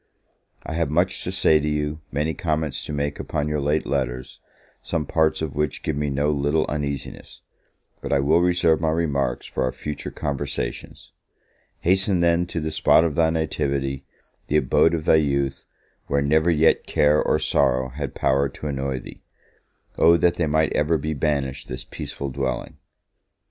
I have much to say to you, many comments to make upon your late letters, some parts of which give me no little uneasiness; but I will reserve my remarks for our future conversations. Hasten, then, to the spot of thy nativity, the abode of thy youth, where never yet care or sorrow had power to annoy thee. O that they might ever be banished this peaceful dwelling!